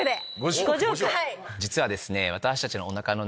実はですね。